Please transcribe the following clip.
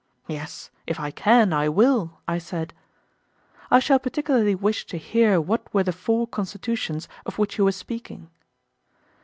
Yes, if I can, I will, I said. I shall particularly wish to hear what were the four constitutions of which you were speaking.